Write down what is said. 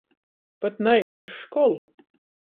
Pat naīt iz školu.